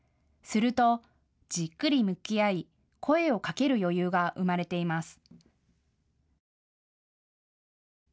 すると、じっくり向き合い声をかける余裕が生まれています。